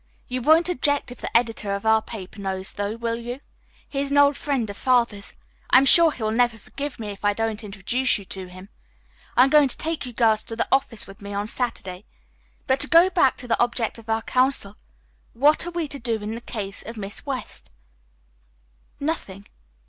"You won't object if the editor of our paper knows, though, will you? He is an old friend of Father's. I am sure he will never forgive me if I don't introduce you to him. I am going to take you girls to the office with me on Saturday. But to go back to the object of our council, what are we to do in the case of Miss West?" "Nothing."